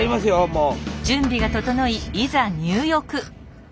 もう。